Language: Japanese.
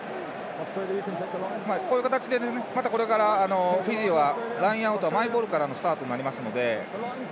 こういう形でまたこれから、フィジーはラインアウトはマイボールからのスタートになりますので。